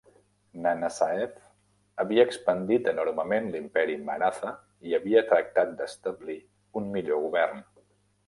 Nanasaheb havia expandit enormement l'Imperi Maratha i havia tractat d'establir un millor govern.